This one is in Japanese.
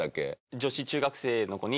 女子中学生の子に。